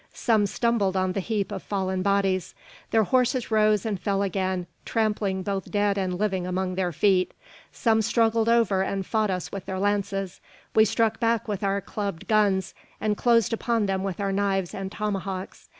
Some stumbled on the heap of fallen bodies. Their horses rose and fell again, trampling both dead and living among their feet. Some struggled over and fought us with their lances. We struck back with our clubbed guns, and closed upon them with our knives and tomahawks.